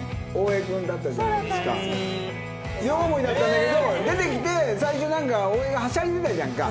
両思いだったんだけど出てきて最初なんか大江がはしゃいでたじゃんか。